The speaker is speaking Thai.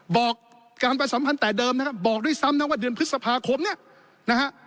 บอกการประสัมพันธ์แต่เดิมนะครับบอกด้วยซ้ำนะว่าเดือนพฤษภาคมเนี่ยนะฮะ